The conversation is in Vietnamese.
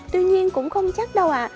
tuy nhiên cũng không chắc đâu ạ